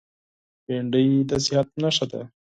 بېنډۍ د صحت نښه ده